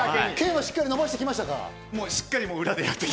腱はしっかり伸ばしましたか？